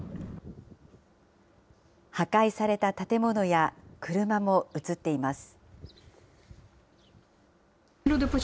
破壊された建物や車も映っています。